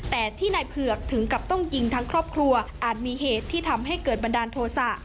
แต่ที่นายเผือกถึงกับต้องยิงทั้งครอบครัวอาจมีเหตุที่ทำให้เกิดบันดาลโทษะ